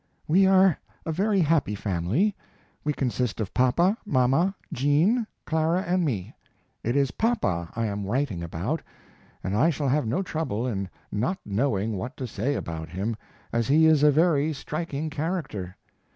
] We are a very happy family! We consist of papa, mama, Jean, Clara and me. It is papa I am writing about, and I shall have no trouble in not knowing what to say about him, as he is a very striking character.